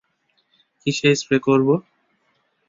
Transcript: কীসে স্প্রে করবো?